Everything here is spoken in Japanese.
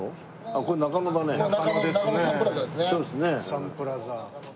サンプラザ。